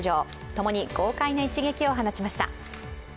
共に豪快な一撃を放ちました。